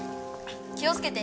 気をつけて。